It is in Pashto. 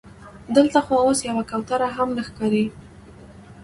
دلته خو اوس یوه کوتره هم نه ښکاري.